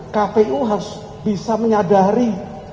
kpu harus bisa menyadari